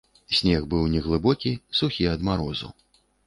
Снег быў не глыбокі, сухі ад марозу.